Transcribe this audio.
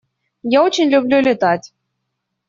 Я очень люблю летать.